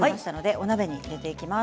お鍋に入れていきます。